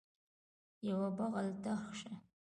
یوه بغل ته شه